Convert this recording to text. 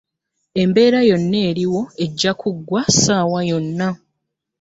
Embeera yonna eriwo ejja kuggwa ssaawa yonna.